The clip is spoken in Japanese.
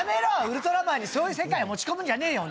ウルトラマンにそういう世界を持ち込むんじゃねえよ。